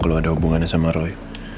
kalau ada hubungannya sama roy